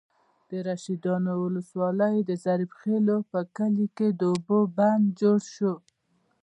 د رشيدانو ولسوالۍ، د ظریف خېلو په کلي کې د اوبو بند جوړ شو.